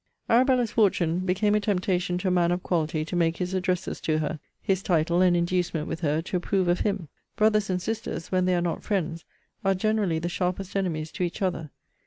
ARABELLA'S fortune became a temptation to a man of quality to make his addresses to her: his title an inducement with her to approve of him. Brothers and sisters, when they are not friends, are generally the sharpest enemies to each other.